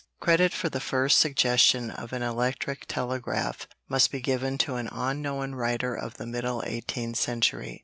Credit for the first suggestion of an electric telegraph must be given to an unknown writer of the middle eighteenth century.